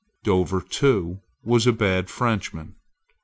Dover, too, was a bad Frenchman.